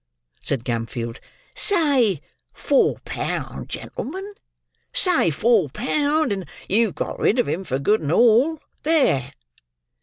said Gamfield; "say four pound, gen'l'men. Say four pound, and you've got rid of him for good and all. There!"